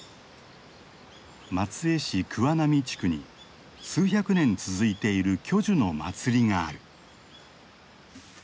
松江市桑並地区に数百年続いている巨樹の祭りがある。